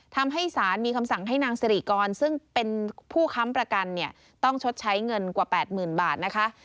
ทำให้สารมีคำสั่งให้นางสิริกรซึ่งเป็นผู้ค้ำประกันเนี่ยต้องชดใช้เงินกว่า๘๐๐๐บาทนะคะ